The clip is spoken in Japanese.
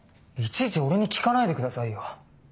いちいち俺に聞かないでくださいよ。